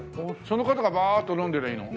その方がバーッと飲んでりゃいいの？